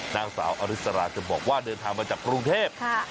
นางสาวอริสราจนบอกว่าเดินทางมาจากกรุงเทพ